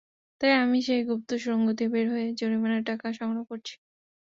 তাই আমি সেই গুপ্ত সুড়ঙ্গ দিয়ে বের হয়ে জরিমানার টাকা সংগ্রহ করছি।